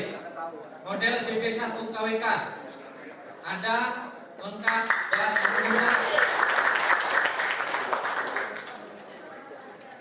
model bp satu kwk ada lengkap dan menentukan